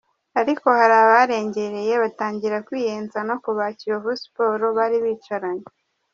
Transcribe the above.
Ariko hari abarengereye batangira kwiyenza no ku ba Kiyovu Sports bari bicaranye.